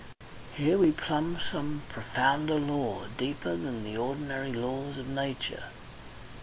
Here we plumb some profounder law deeper than the ordinary laws of nature.